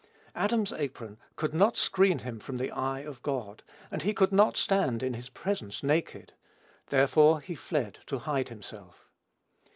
Adam's apron could not screen him from the eye of God; and he could not stand in his presence naked: therefore he fled to hide himself.